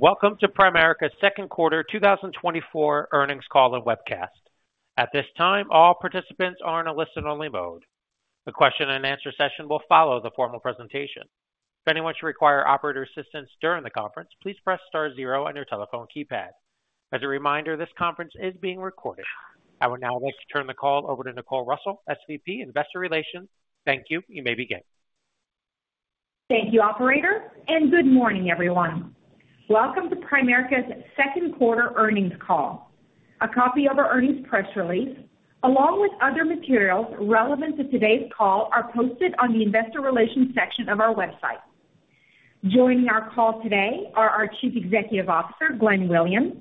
Welcome to Primerica's second quarter 2024 earnings call and webcast. At this time, all participants are in a listen-only mode. A question-and-answer session will follow the formal presentation. If anyone should require operator assistance during the conference, please press star zero on your telephone keypad. As a reminder, this conference is being recorded. I would now like to turn the call over to Nicole Russell, SVP, Investor Relations. Thank you. You may begin. Thank you, operator, and good morning, everyone. Welcome to Primerica's second quarter earnings call. A copy of our earnings press release, along with other materials relevant to today's call, are posted on the investor relations section of our website. Joining our call today are our Chief Executive Officer, Glenn Williams,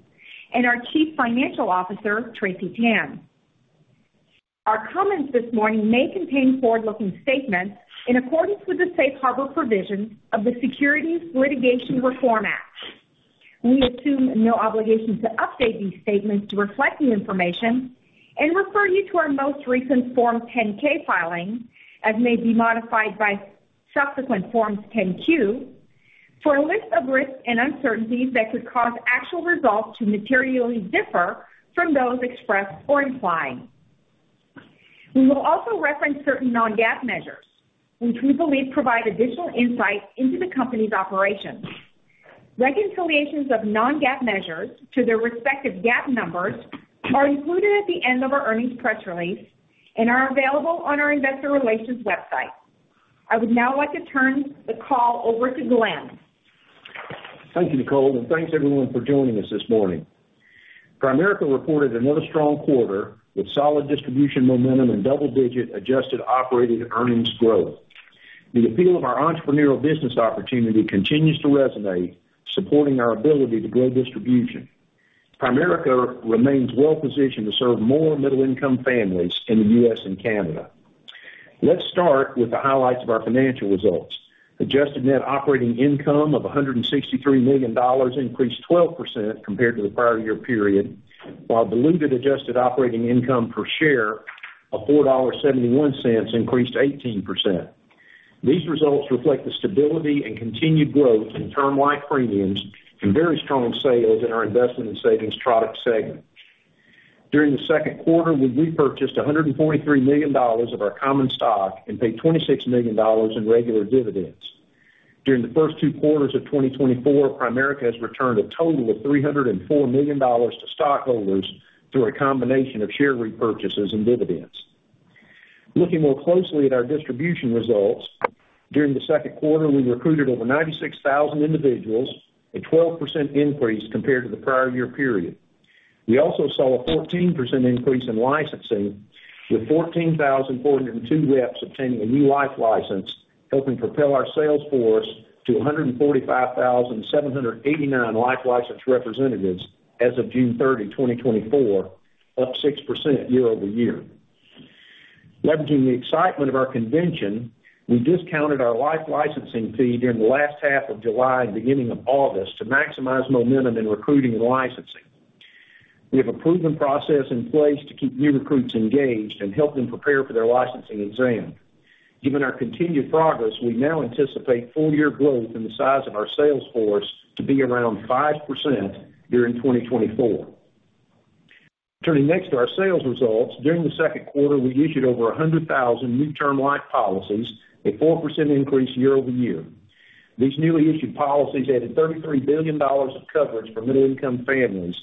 and our Chief Financial Officer, Tracy Tan. Our comments this morning may contain forward-looking statements in accordance with the safe harbor provisions of the Securities Litigation Reform Act. We assume no obligation to update these statements to reflect the information and refer you to our most recent Form 10-K filing, as may be modified by subsequent Forms 10-Q, for a list of risks and uncertainties that could cause actual results to materially differ from those expressed or implied. We will also reference certain non-GAAP measures, which we believe provide additional insight into the company's operations. Reconciliations of non-GAAP measures to their respective GAAP numbers are included at the end of our earnings press release and are available on our investor relations website. I would now like to turn the call over to Glenn. Thank you, Nicole, and thanks, everyone, for joining us this morning. Primerica reported another strong quarter, with solid distribution momentum and double-digit adjusted operating earnings growth. The appeal of our entrepreneurial business opportunity continues to resonate, supporting our ability to grow distribution. Primerica remains well positioned to serve more middle-income families in the U.S. and Canada. Let's start with the highlights of our financial results. Adjusted net operating income of $163 million increased 12% compared to the prior year period, while diluted adjusted operating income per share of $4.71 increased 18%. These results reflect the stability and continued growth in term life premiums and very strong sales in our Investment and Savings Product segment. During the second quarter, we repurchased $143 million of our common stock and paid $26 million in regular dividends. During the first two quarters of 2024, Primerica has returned a total of $304 million to stockholders through a combination of share repurchases and dividends. Looking more closely at our distribution results, during the second quarter, we recruited over 96,000 individuals, a 12% increase compared to the prior year period. We also saw a 14% increase in licensing, with 14,402 reps obtaining a new life license, helping propel our sales force to 145,789 life license representatives as of June 30, 2024, up 6% year-over-year. Leveraging the excitement of our convention, we discounted our life licensing fee during the last half of July and beginning of August to maximize momentum in recruiting and licensing. We have a proven process in place to keep new recruits engaged and help them prepare for their licensing exam. Given our continued progress, we now anticipate full-year growth in the size of our sales force to be around 5% during 2024. Turning next to our sales results. During the second quarter, we issued over 100,000 new Term Life policies, a 4% increase year-over-year. These newly issued policies added $33 billion of coverage for middle-income families,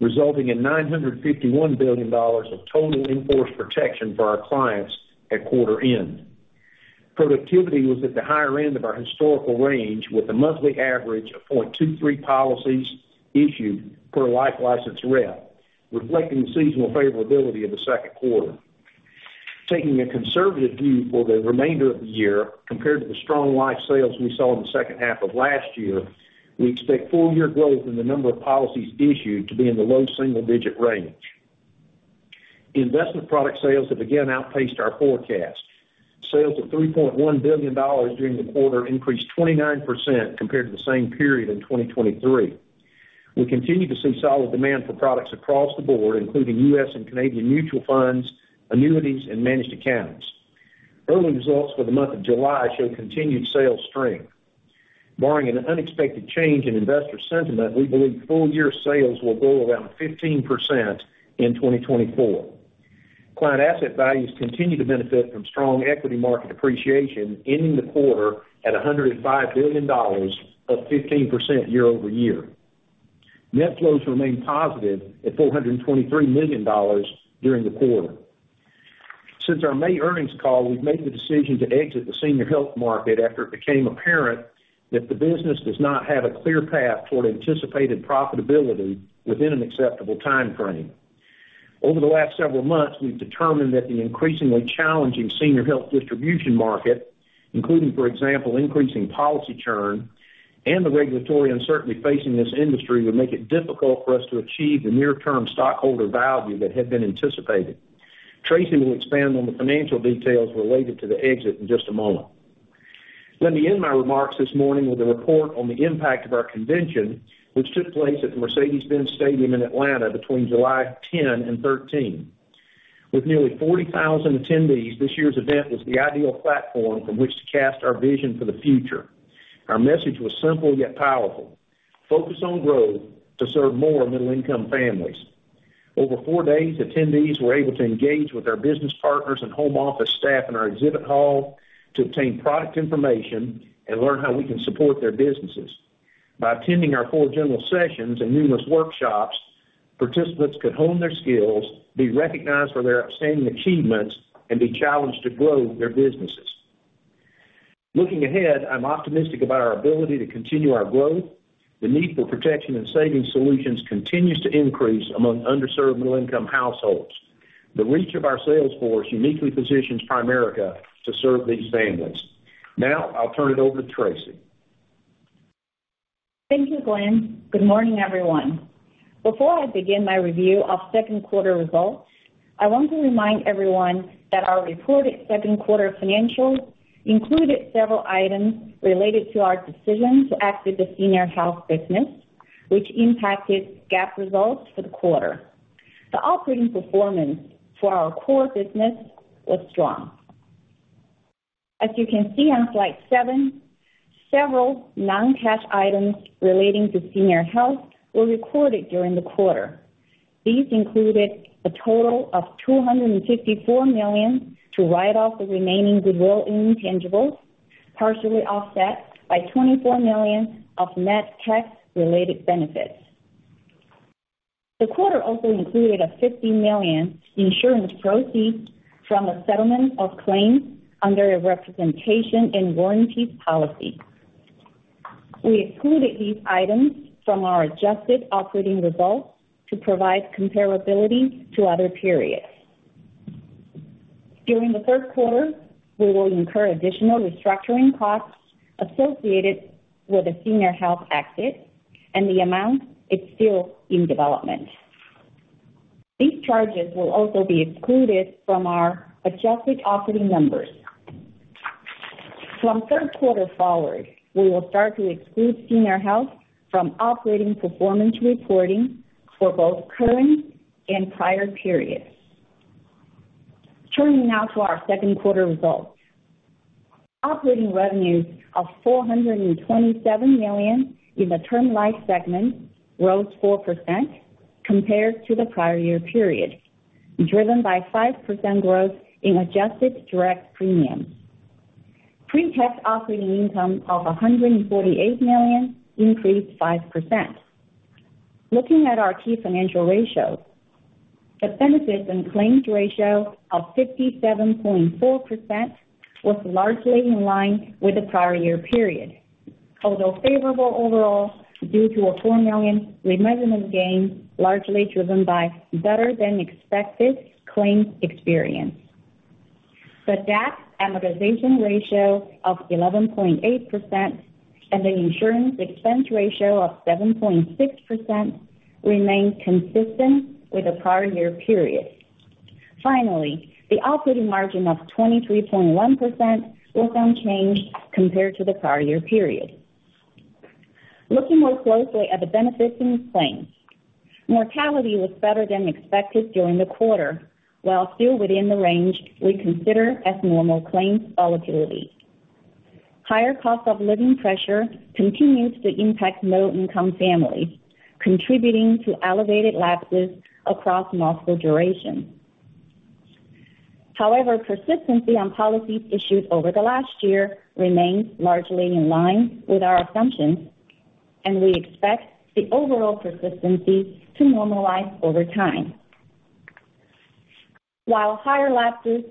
resulting in $951 billion of total in-force protection for our clients at quarter-end. Productivity was at the higher end of our historical range, with a monthly average of 0.23 policies issued per life license rep, reflecting the seasonal favorability of the second quarter. Taking a conservative view for the remainder of the year, compared to the strong life sales we saw in the second half of last year, we expect full-year growth in the number of policies issued to be in the low single-digit range. Investment product sales have again outpaced our forecast. Sales of $3.1 billion during the quarter increased 29% compared to the same period in 2023. We continue to see solid demand for products across the board, including U.S. and Canadian mutual funds, annuities, and managed accounts. Early results for the month of July show continued sales strength. Barring an unexpected change in investor sentiment, we believe full-year sales will grow around 15% in 2024. Client asset values continue to benefit from strong equity market appreciation, ending the quarter at $105 billion, up 15% year-over-year. Net flows remained positive at $423 million during the quarter. Since our May earnings call, we've made the decision to exit the Senior Health market after it became apparent that the business does not have a clear path toward anticipated profitability within an acceptable time frame. Over the last several months, we've determined that the increasingly challenging Senior Health distribution market, including, for example, increasing policy churn and the regulatory uncertainty facing this industry, would make it difficult for us to achieve the near-term stockholder value that had been anticipated. Tracy will expand on the financial details related to the exit in just a moment. Let me end my remarks this morning with a report on the impact of our convention, which took place at the Mercedes-Benz Stadium in Atlanta between July 10 and 13. With nearly 40,000 attendees, this year's event was the ideal platform from which to cast our vision for the future. Our message was simple, yet powerful: focus on growth to serve more middle-income families. Over 4 days, attendees were able to engage with our business partners and home office staff in our exhibit hall to obtain product information and learn how we can support their businesses. By attending our 4 general sessions and numerous workshops, participants could hone their skills, be recognized for their outstanding achievements, and be challenged to grow their businesses. Looking ahead, I'm optimistic about our ability to continue our growth. The need for protection and savings solutions continues to increase among underserved middle-income households. The reach of our sales force uniquely positions Primerica to serve these families. Now I'll turn it over to Tracy. Thank you, Glenn. Good morning, everyone. Before I begin my review of second quarter results, I want to remind everyone that our reported second quarter financials included several items related to our decision to exit the Senior Health business, which impacted GAAP results for the quarter. The operating performance for our core business was strong. As you can see on slide 7, several non-cash items relating to Senior Health were recorded during the quarter. These included a total of $254 million to write off the remaining goodwill intangibles, partially offset by $24 million of net tax-related benefits. The quarter also included a $50 million insurance proceeds from a settlement of claims under a representation and warranty policy. We excluded these items from our adjusted operating results to provide comparability to other periods. During the third quarter, we will incur additional restructuring costs associated with the Senior Health exit, and the amount is still in development. These charges will also be excluded from our adjusted operating numbers. From third quarter forward, we will start to exclude Senior Health from operating performance reporting for both current and prior periods. Turning now to our second quarter results. Operating revenues of $427 million in the Term Life segment rose 4% compared to the prior year period, driven by 5% growth in adjusted direct premiums. Pre-tax operating income of $148 million increased 5%. Looking at our key financial ratios, the benefits and claims ratio of 57.4% was largely in line with the prior year period, although favorable overall, due to a $4 million measurement gain, largely driven by better than expected claims experience. The DAC amortization ratio of 11.8% and the insurance expense ratio of 7.6% remained consistent with the prior year period. Finally, the operating margin of 23.1% was unchanged compared to the prior year period. Looking more closely at the benefits and claims, mortality was better than expected during the quarter, while still within the range we consider as normal claims volatility. Higher cost of living pressure continues to impact low-income families, contributing to elevated lapses across multiple durations. However, persistency on policies issued over the last year remains largely in line with our assumptions, and we expect the overall persistency to normalize over time. While higher lapses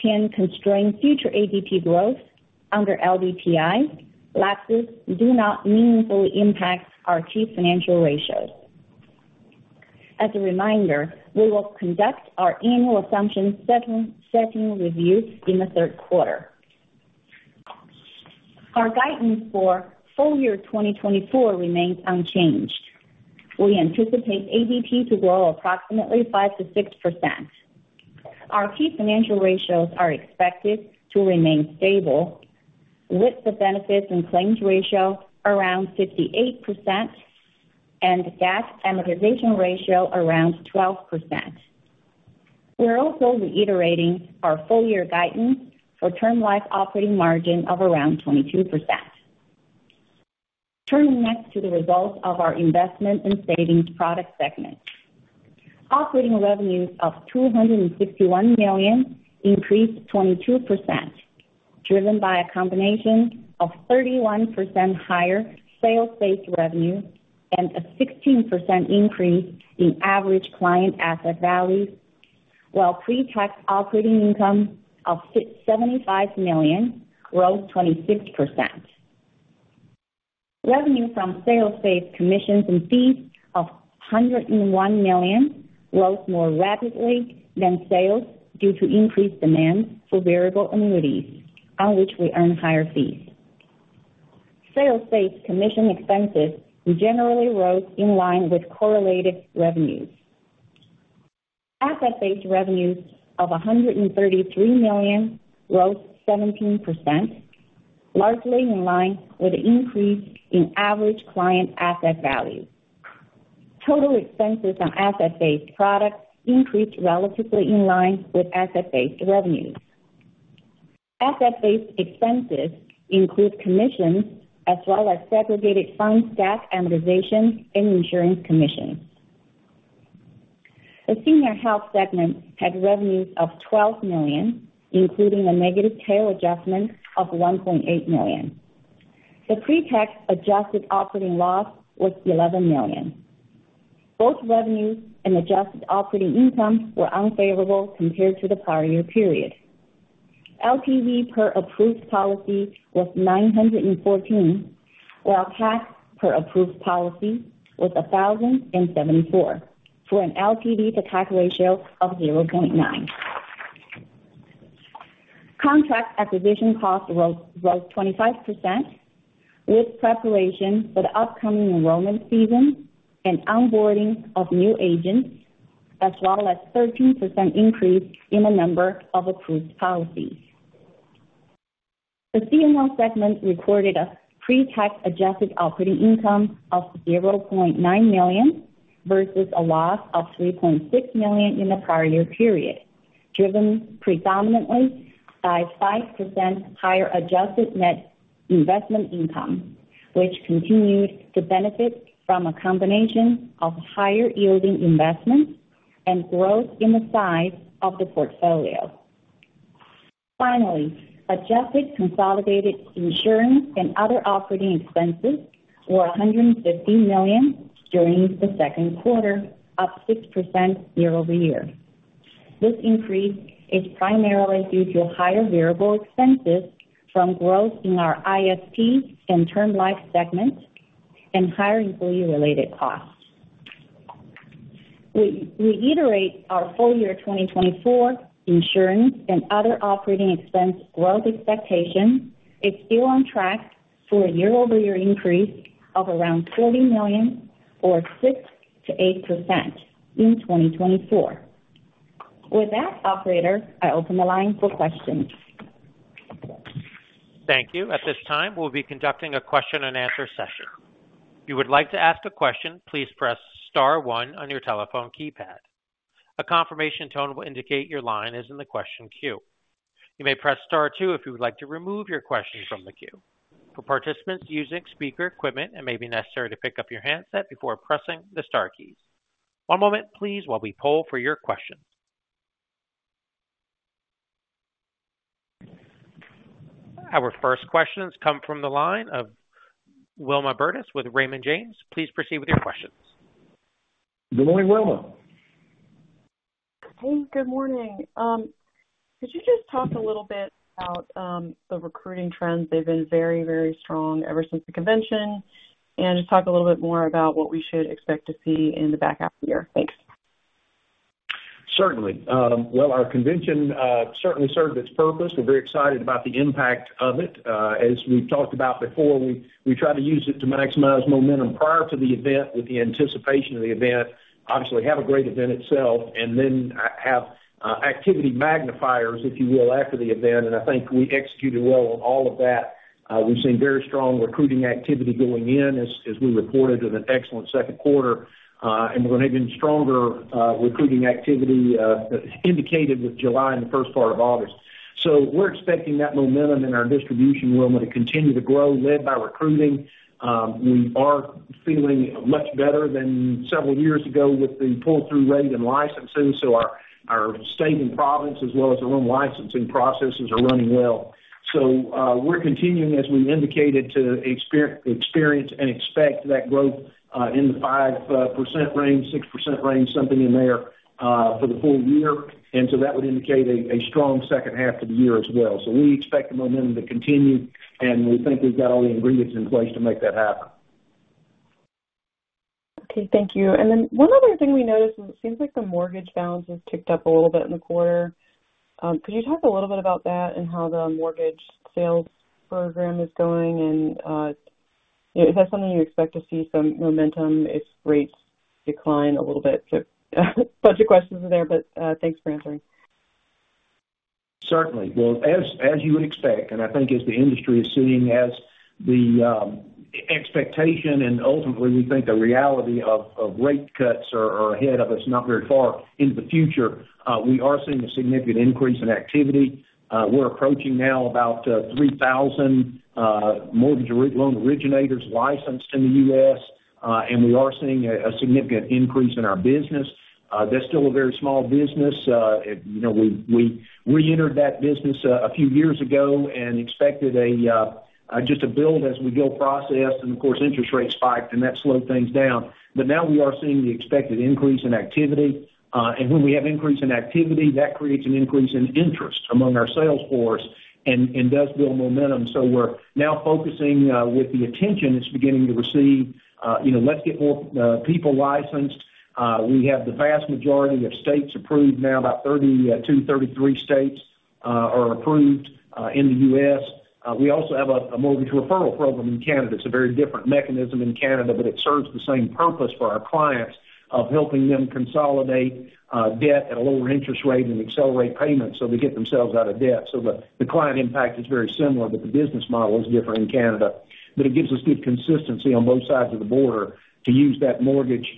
can constrain future ADP growth under LDTI, lapses do not meaningfully impact our key financial ratios. As a reminder, we will conduct our annual assumption setting review in the third quarter. Our guidance for full year 2024 remains unchanged. We anticipate ADP to grow approximately 5%-6%. Our key financial ratios are expected to remain stable, with the benefits and claims ratio around 58% and DAC amortization ratio around 12%. We are also reiterating our full year guidance for Term Life operating margin of around 22%. Turning next to the results of our Investment and Savings Product segment. Operating revenues of $261 million increased 22%, driven by a combination of 31% higher sales-based revenue and a 16% increase in average client asset value, while pre-tax operating income of $67 million grew 26%. Revenue from sales-based commissions and fees of $101 million growth more rapidly than sales due to increased demand for variable annuities, on which we earn higher fees. Sales-based commission expenses generally rose in line with correlated revenues. Asset-based revenues of $133 million grew 17%, largely in line with the increase in average client asset value. Total expenses on asset-based products increased relatively in line with asset-based revenues. Asset-based expenses include commissions as well as segregated fund DAC amortization and insurance commissions. The Senior Health segment had revenues of $12 million, including a negative tail adjustment of $1.8 million. The pre-tax adjusted operating loss was $11 million. Both revenues and adjusted operating income were unfavorable compared to the prior year period. LTV per approved policy was $914, while CAC per approved policy was $1,074, for an LTV to CAC ratio of 0.9. Contract acquisition costs rose, rose 25%, with preparation for the upcoming enrollment season and onboarding of new agents, as well as 13% increase in the number of approved policies. The C&O segment recorded a pre-tax adjusted operating income of $0.9 million versus a loss of $3.6 million in the prior year period, driven predominantly by 5% higher adjusted net investment income, which continued to benefit from a combination of higher yielding investments and growth in the size of the portfolio. Finally, adjusted consolidated insurance and other operating expenses were $150 million during the second quarter, up 6% year-over-year. This increase is primarily due to higher variable expenses from growth in our ISP and Term Life segment and higher employee-related costs. We reiterate our full year 2024 insurance and other operating expense growth expectations is still on track for a year-over-year increase of around $30 million or 6%-8% in 2024. With that, operator, I open the line for questions. Thank you. At this time, we'll be conducting a question-and-answer session. If you would like to ask a question, please press star one on your telephone keypad. A confirmation tone will indicate your line is in the question queue. You may press star two if you would like to remove your question from the queue. For participants using speaker equipment, it may be necessary to pick up your handset before pressing the star keys. One moment please, while we poll for your questions. Our first questions come from the line of Wilma Burdis with Raymond James. Please proceed with your questions. Good morning, Wilma. Hey, good morning. Could you just talk a little bit about the recruiting trends? They've been very, very strong ever since the convention. And just talk a little bit more about what we should expect to see in the back half of the year. Thanks. Certainly. Well, our convention certainly served its purpose. We're very excited about the impact of it. As we've talked about before, we try to use it to maximize momentum prior to the event, with the anticipation of the event. Obviously, have a great event itself and then have activity magnifiers, if you will, after the event, and I think we executed well on all of that. We've seen very strong recruiting activity going in as we reported, with an excellent second quarter, and we're going to get even stronger recruiting activity indicated with July and the first part of August. So we're expecting that momentum in our distribution room to continue to grow, led by recruiting. We are feeling much better than several years ago with the pull-through rate and licensing, so our, our state and province, as well as our own licensing processes, are running well. So, we're continuing, as we indicated, to experience and expect that growth, in the 5% range, 6% range, something in there, for the full year. And so that would indicate a strong second half of the year as well. So we expect the momentum to continue, and we think we've got all the ingredients in place to make that happen. Okay, thank you. And then one other thing we noticed, it seems like the mortgage balances ticked up a little bit in the quarter. Could you talk a little bit about that and how the mortgage sales program is going? And, is that something you expect to see some momentum if rates decline a little bit? So bunch of questions in there, but, thanks for answering. Certainly. Well, as you would expect, and I think as the industry is seeing, as the expectation and ultimately we think the reality of rate cuts are ahead of us, not very far into the future, we are seeing a significant increase in activity. We're approaching now about 3,000 mortgage loan originators licensed in the US, and we are seeing a significant increase in our business. That's still a very small business. You know, we reentered that business a few years ago and expected a just a build as we go process. And of course, interest rates spiked and that slowed things down. But now we are seeing the expected increase in activity. And when we have increase in activity, that creates an increase in interest among our sales force and, and does build momentum. So we're now focusing, with the attention it's beginning to receive, you know, let's get more, people licensed. We have the vast majority of states approved now, about 32, 33 states are approved, in the US. We also have a mortgage referral program in Canada. It's a very different mechanism in Canada, but it serves the same purpose for our clients of helping them consolidate, debt at a lower interest rate and accelerate payments, so they get themselves out of debt. So the client impact is very similar, but the business model is different in Canada. But it gives us good consistency on both sides of the border to use that mortgage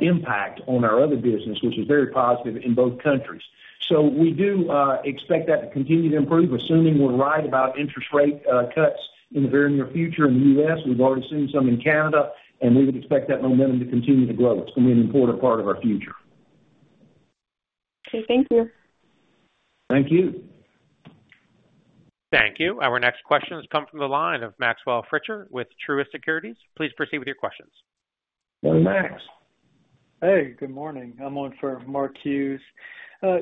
impact on our other business, which is very positive in both countries. So we do expect that to continue to improve, assuming we're right about interest rate cuts in the very near future in the US. We've already seen some in Canada, and we would expect that momentum to continue to grow. It's going to be an important part of our future. Okay, thank you. Thank you. Thank you. Our next question has come from the line of Maxwell Fritscher with Truist Securities. Please proceed with your questions. Max. Hey, good morning. I'm on for Mark Hughes.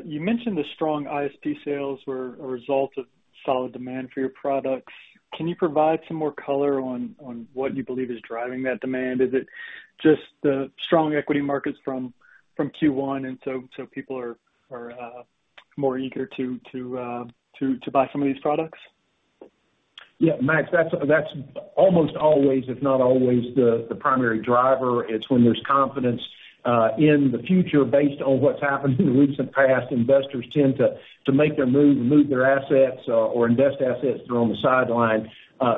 You mentioned the strong ISP sales were a result of solid demand for your products. Can you provide some more color on what you believe is driving that demand? Is it just the strong equity markets from Q1, and so people are more eager to buy some of these products? Yeah, Max, that's almost always, if not always, the primary driver. It's when there's confidence in the future based on what's happened in the recent past, investors tend to make their move and move their assets or invest assets that are on the sideline.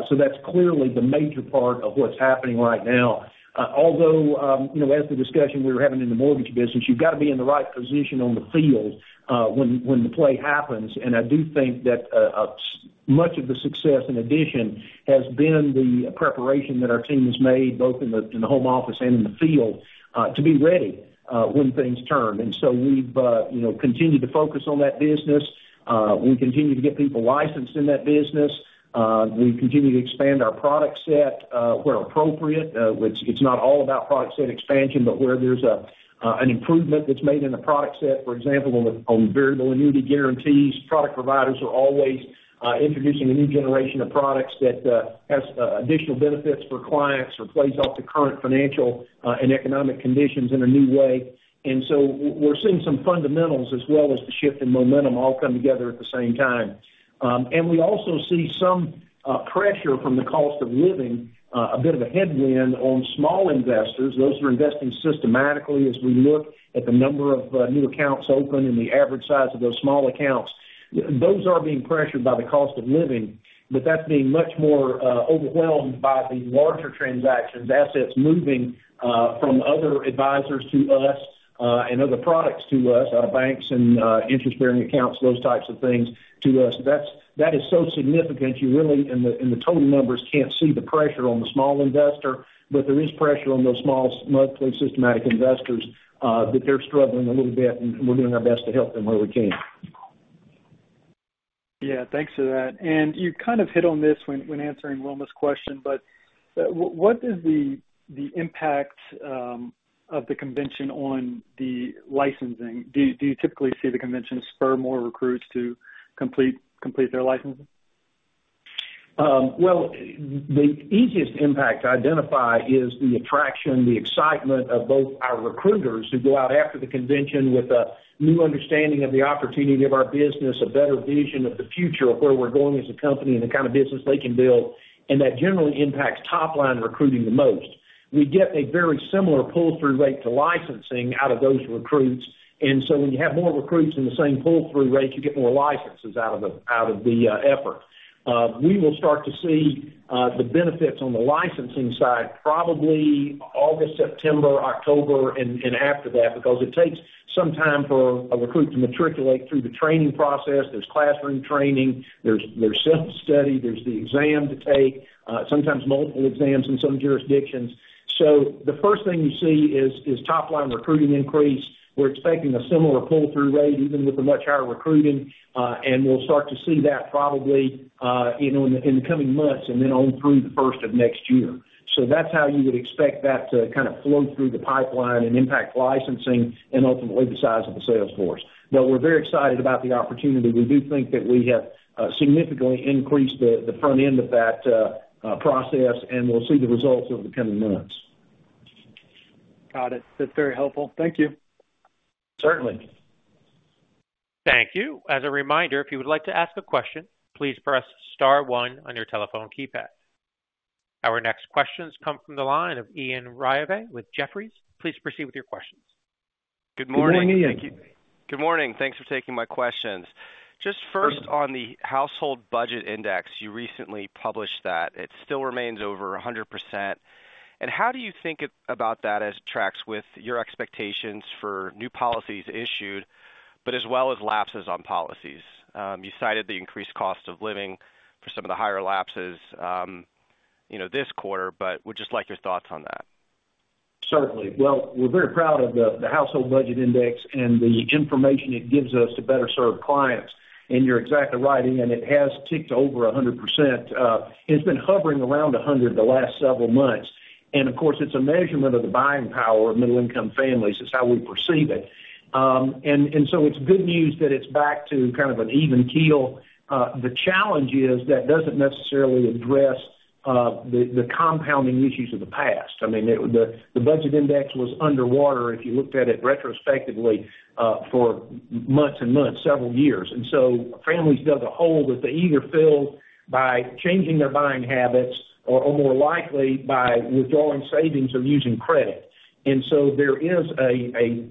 So that's clearly the major part of what's happening right now. Although, you know, as the discussion we were having in the mortgage business, you've got to be in the right position on the field when the play happens. And I do think that much of the success, in addition, has been the preparation that our team has made, both in the home office and in the field to be ready when things turn. And so we've, you know, continued to focus on that business, we continue to get people licensed in that business, we continue to expand our product set, where appropriate. Which it's not all about product set expansion, but where there's an improvement that's made in the product set. For example, on variable annuity guarantees, product providers are always introducing a new generation of products that has additional benefits for clients or plays off the current financial and economic conditions in a new way. And so we're seeing some fundamentals as well as the shift in momentum all come together at the same time. And we also see some pressure from the cost of living, a bit of a headwind on small investors, those who are investing systematically. As we look at the number of new accounts open and the average size of those small accounts, those are being pressured by the cost of living, but that's being much more overwhelmed by the larger transactions, assets moving from other advisors to us and other products to us, out of banks and interest-bearing accounts, those types of things, to us. That's. That is so significant, you really, in the total numbers, can't see the pressure on the small investor, but there is pressure on those small monthly systematic investors that they're struggling a little bit, and we're doing our best to help them where we can. Yeah, thanks for that. You kind of hit on this when answering Wilma's question, but what is the impact of the convention on the licensing? Do you typically see the convention spur more recruits to complete their licensing? Well, the easiest impact to identify is the attraction, the excitement of both our recruiters, who go out after the convention with a new understanding of the opportunity of our business, a better vision of the future of where we're going as a company and the kind of business they can build, and that generally impacts top-line recruiting the most. We get a very similar pull-through rate to licensing out of those recruits, and so when you have more recruits in the same pull-through rate, you get more licenses out of the effort. We will start to see the benefits on the licensing side, probably August, September, October, and after that, because it takes some time for a recruit to matriculate through the training process. There's classroom training, there's self-study, there's the exam to take, sometimes multiple exams in some jurisdictions. So the first thing you see is top-line recruiting increase. We're expecting a similar pull-through rate, even with the much higher recruiting, and we'll start to see that probably, you know, in the coming months, and then on through the first of next year. So that's how you would expect that to kind of flow through the pipeline and impact licensing and ultimately the size of the sales force. But we're very excited about the opportunity. We do think that we have significantly increased the front end of that process, and we'll see the results over the coming months. Got it. That's very helpful. Thank you. Certainly. Thank you. As a reminder, if you would like to ask a question, please press star one on your telephone keypad. Our next questions come from the line of Ian Ryave with Bank of America Securities. Please proceed with your questions. Good morning, Ian. Good morning. Thanks for taking my questions. Just first, on the Household Budget Index, you recently published that. It still remains over 100%. How do you think about that as it tracks with your expectations for new policies issued, but as well as lapses on policies? You cited the increased cost of living for some of the higher lapses, you know, this quarter, but would just like your thoughts on that. Certainly. Well, we're very proud of the Household Budget Index and the information it gives us to better serve clients. And you're exactly right, Ian, it has ticked over 100%. It's been hovering around 100 the last several months. And of course, it's a measurement of the buying power of middle-income families. It's how we perceive it. And so it's good news that it's back to kind of an even keel. The challenge is that doesn't necessarily address the compounding issues of the past. I mean, it, the budget index was underwater, if you looked at it retrospectively, for months and months, several years. And so families dug a hole that they either filled by changing their buying habits or more likely, by withdrawing savings or using credit. And so there is a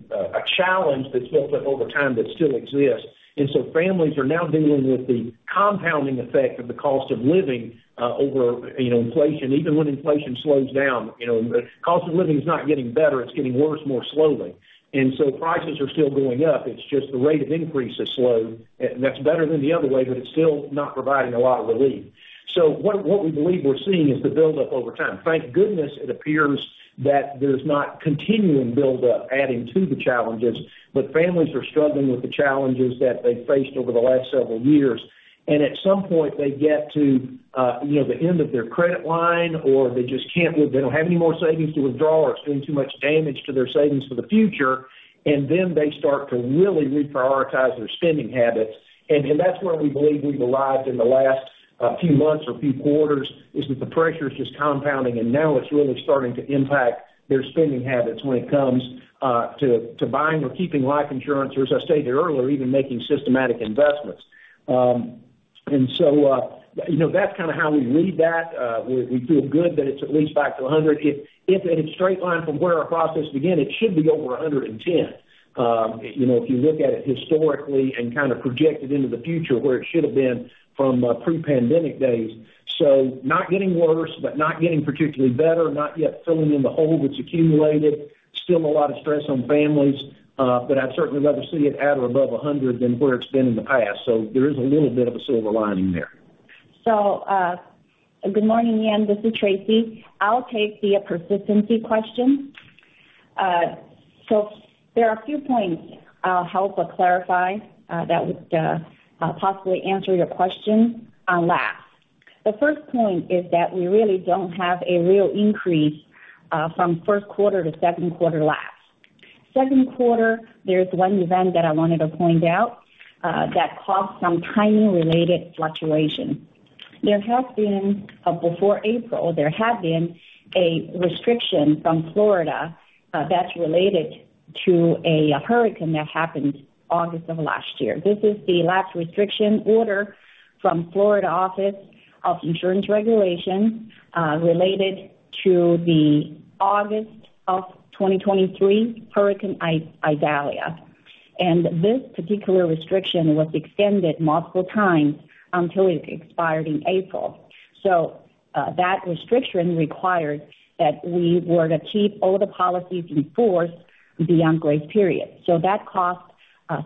challenge that's built up over time that still exists. And so families are now dealing with the compounding effect of the cost of living, over, you know, inflation. Even when inflation slows down, you know, the cost of living is not getting better, it's getting worse, more slowly. And so prices are still going up, it's just the rate of increase is slow, and that's better than the other way, but it's still not providing a lot of relief. So what we believe we're seeing is the build up over time. Thank goodness, it appears that there's not continuing build up, adding to the challenges, but families are struggling with the challenges that they've faced over the last several years. At some point, they get to, you know, the end of their credit line, or they just can't live... They don't have any more savings to withdraw, or it's doing too much damage to their savings for the future, and then they start to really reprioritize their spending habits. That's where we believe we've arrived in the last few months or few quarters, is that the pressure is just compounding, and now it's really starting to impact their spending habits when it comes to buying or keeping life insurance, or as I stated earlier, even making systematic investments. And so, you know, that's kind of how we read that. We feel good that it's at least back to 100. If in a straight line from where our process began, it should be over 110. You know, if you look at it historically and kind of project it into the future, where it should have been from pre-pandemic days. So not getting worse, but not getting particularly better, not yet filling in the hole that's accumulated. Still a lot of stress on families, but I'd certainly rather see it at or above 100 than where it's been in the past, so there is a little bit of a silver lining there. Good morning, Ian, this is Tracy. I'll take the persistency question. So there are a few points I'll help or clarify that would possibly answer your question on lapse. The first point is that we really don't have a real increase from first quarter to second quarter lapse. Second quarter, there's one event that I wanted to point out that caused some timing-related fluctuation. There had been, before April, a restriction from Florida that's related to a hurricane that happened August of last year. This is the lapse restriction order from Florida Office of Insurance Regulation related to the August of 2023 Hurricane Idalia. And this particular restriction was extended multiple times until it expired in April. So that restriction required that we were to keep all the policies in force beyond grace period. So that caused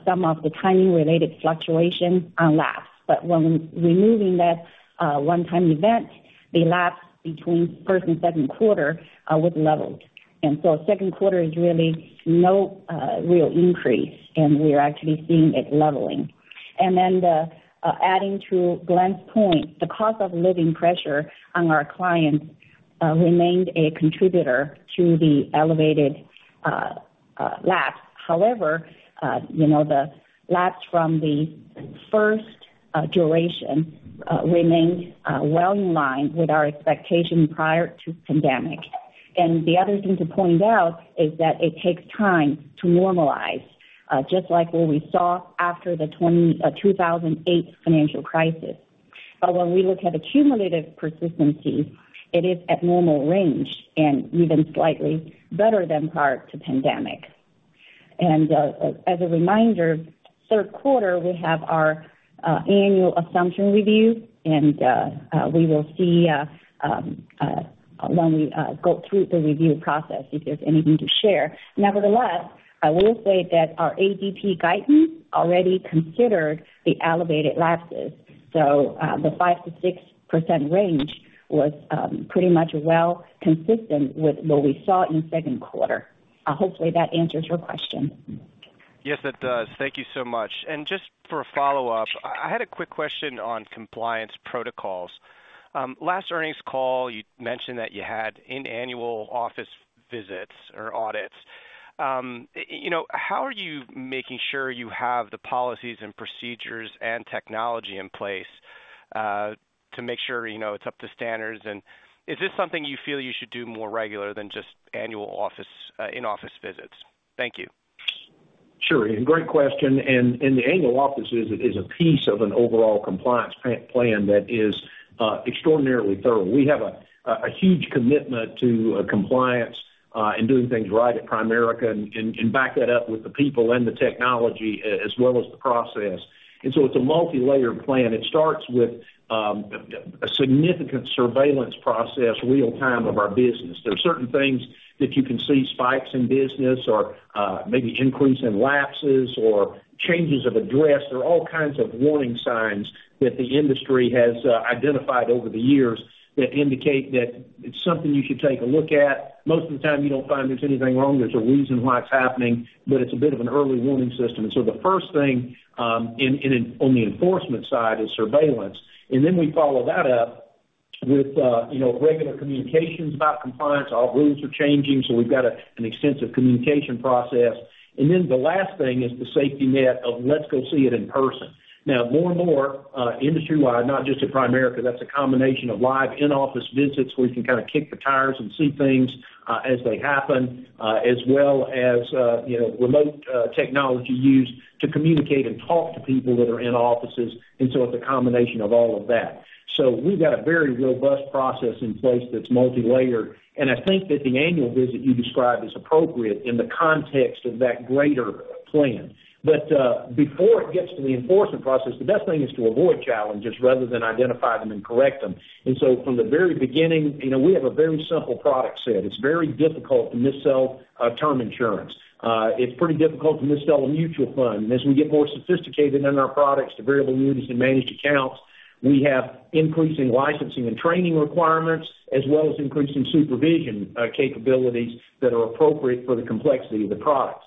some of the timing-related fluctuation on lapse. But when removing that one-time event, the lapse between first and second quarter was leveled. And so second quarter is really no real increase, and we are actually seeing it leveling. And then the adding to Glenn's point, the cost of living pressure on our clients remained a contributor to the elevated lapse. However, you know, the lapse from the first duration remained well in line with our expectation prior to pandemic. And the other thing to point out is that it takes time to normalize just like what we saw after the 2008 financial crisis. But when we look at a cumulative persistency, it is at normal range and even slightly better than prior to pandemic. As a reminder, third quarter, we have our annual assumption review, and we will see when we go through the review process, if there's anything to share. Nevertheless, I will say that our ADP guidance already considered the elevated lapses, so the 5%-6% range was pretty much well consistent with what we saw in second quarter. Hopefully, that answers your question. Yes, it does. Thank you so much. And just for a follow-up, I had a quick question on compliance protocols. Last earnings call, you mentioned that you had annual office visits or audits. You know, how are you making sure you have the policies and procedures and technology in place to make sure, you know, it's up to standards? And is this something you feel you should do more regular than just annual office in-office visits? Thank you. Sure, and great question. The annual office visit is a piece of an overall compliance plan that is extraordinarily thorough. We have a huge commitment to compliance and doing things right at Primerica, and back that up with the people and the technology, as well as the process. So it's a multilayered plan. It starts with a significant surveillance process, real-time, of our business. There are certain things that you can see, spikes in business or maybe increase in lapses or changes of address. There are all kinds of warning signs that the industry has identified over the years that indicate that it's something you should take a look at. Most of the time, you don't find there's anything wrong. There's a reason why it's happening, but it's a bit of an early warning system. And so the first thing on the enforcement side is surveillance. And then we follow that up with you know, regular communications about compliance. Our rules are changing, so we've got an extensive communication process. And then the last thing is the safety net of let's go see it in person. Now, more and more, industry-wide, not just at Primerica, that's a combination of live in-office visits, where you can kind of kick the tires and see things, as they happen, as well as, you know, remote, technology used to communicate and talk to people that are in offices, and so it's a combination of all of that. So we've got a very robust process in place that's multilayered, and I think that the annual visit you described is appropriate in the context of that greater plan. But, before it gets to the enforcement process, the best thing is to avoid challenges rather than identify them and correct them. And so from the very beginning, you know, we have a very simple product set. It's very difficult to mis-sell term insurance. It's pretty difficult to mis-sell a mutual fund. As we get more sophisticated in our products to Variable Annuities and Managed Accounts, we have increasing licensing and training requirements, as well as increasing supervision capabilities that are appropriate for the complexity of the products.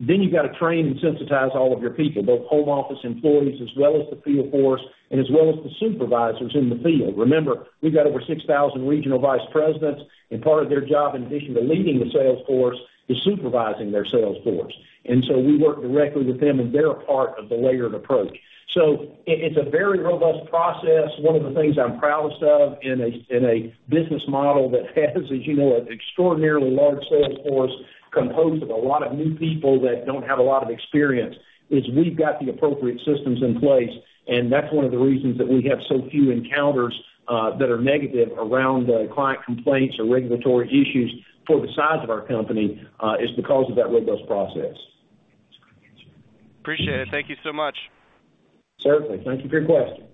Then you've got to train and sensitize all of your people, both home office employees, as well as the field force, and as well as the supervisors in the field. Remember, we've got over 6,000 regional vice presidents, and part of their job, in addition to leading the sales force, is supervising their sales force. And so we work directly with them, and they're a part of the layered approach. So it, it's a very robust process. One of the things I'm proudest of in a business model that has, as you know, an extraordinarily large sales force, composed of a lot of new people that don't have a lot of experience, is we've got the appropriate systems in place, and that's one of the reasons that we have so few encounters that are negative around client complaints or regulatory issues for the size of our company is because of that robust process. Appreciate it. Thank you so much. Certainly. Thank you for your question.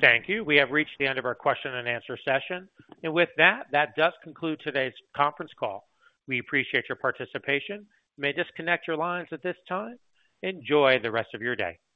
Thank you. We have reached the end of our question and answer session. With that, that does conclude today's conference call. We appreciate your participation. You may disconnect your lines at this time. Enjoy the rest of your day.